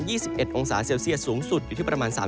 นอกจากนี้เองนะครับในบริเวณพื้นที่ที่อยู่ตามเขานะครับ